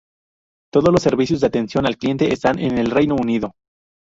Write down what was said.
Todos los servicios de atención al cliente están en el Reino Unido.